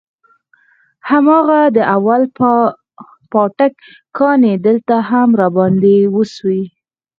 هماغه د اول پاټک کانې دلته هم راباندې وسوې.